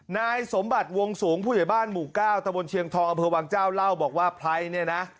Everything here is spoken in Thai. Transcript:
นายสมบัติวงสูงผู้ใหญ่บ้านหมู่เก้าตะบนเชียงทองอำเภอวังเจ้าเล่าบอกว่าไพรเนี่ยนะ